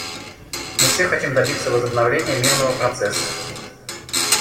Мы все хотим добиться возобновления мирного процесса.